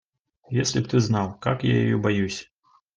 Если б ты знал, как я ее боюсь.